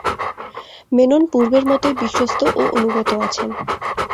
মেনন পূর্বের মতই বিশ্বস্ত ও অনুগত আছেন।